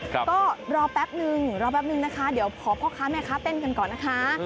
ก็รอแป๊บนึงรอแป๊บนึงนะคะเดี๋ยวขอพ่อค้าแม่ค้าเต้นกันก่อนนะคะ